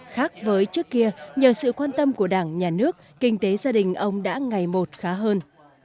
khác với trước kia nhờ sự quan tâm của đảng nhà nước kinh tế gia đình ông đã ngày một khá hơn